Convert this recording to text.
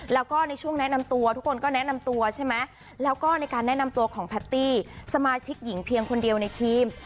แล้วก็ในช่วงแนะนำตัวทุกคนก็แนะนำตัวใช่ไหมแล้วก็ในการแนะนำตัวของแพตตี้สมาชิกหญิงเพียงคนเดียวในทีม